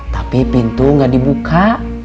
tapi pintu gak dibuka